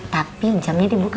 tapi jamnya dibuka dulu